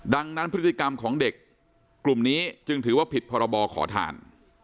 ดังนั้นพฤติกรรมของเด็กกลุ่มนี้จึงถือว่าผิดพรบขอทาน